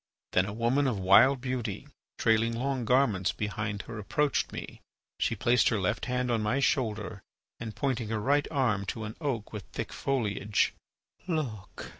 Then a woman of wild beauty, trailing long garments behind her, approached me. She placed her left hand on my shoulder, and, pointing her right arm to an oak with thick foliage: "Look!"